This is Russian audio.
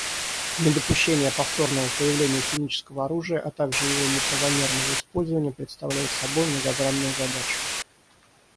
Недопущение повторного появления химического оружия, а также его неправомерного использования представляет собой многогранную задачу.